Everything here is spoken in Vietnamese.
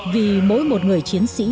vì mỗi một người chiến sĩ